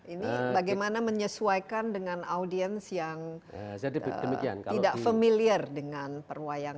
ini bagaimana menyesuaikan dengan audiens yang tidak familiar dengan perwayangan